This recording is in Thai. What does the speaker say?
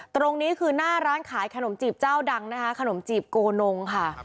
ตรงนี้คือหน้าร้านขายขนมจีบเจ้าดังนะคะขนมจีบโกนงค่ะ